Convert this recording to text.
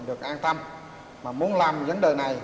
được an tâm mà muốn làm vấn đề này